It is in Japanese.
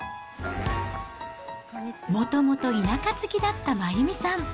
もともと田舎好きだった真弓さん。